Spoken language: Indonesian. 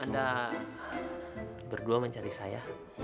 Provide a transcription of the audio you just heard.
anda berdua mencari saya